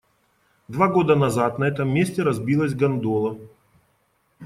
Два года назад на этом месте разбилась гондола.